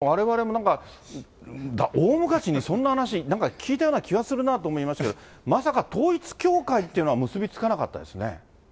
ですから、阿部さん、われわれもなんか、大昔にそんな話、なんか聞いたような気はするなと思いましたけど、まさか統一教会っていうのは結び付かなかったですね。